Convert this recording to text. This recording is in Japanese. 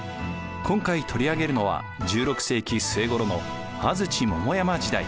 今回取り上げるのは１６世紀末ごろの安土桃山時代。